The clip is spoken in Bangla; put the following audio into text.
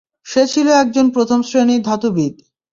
সে ছিল একজন প্রথম শ্রেণীর ধাতুবিদ।